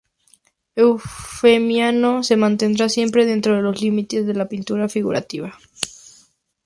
Eufemiano se mantendrá siempre dentro los límites de la pintura figurativa.